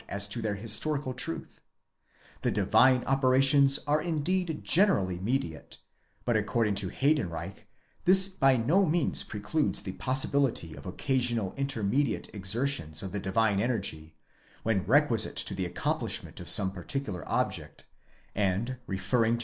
as to their historical truth, The divine operations are indeed generally mediate, but according to Heydenreich this by no means precludes the possibility of occasional intermediate exertions of the divine energy, when re . quisite to the accomplishment of some particular object; and, referring to.